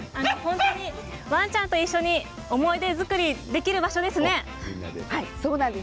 ワンちゃんと一緒に思い出作りができる場所ですね。